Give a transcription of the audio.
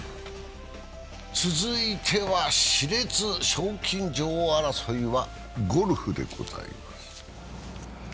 続いてはしれつ、賞金女王争いはゴルフでございます。